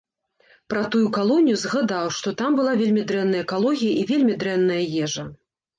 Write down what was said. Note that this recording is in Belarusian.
Пра тую калонію згадаў, што там была вельмі дрэнная экалогія і вельмі дрэнная ежа.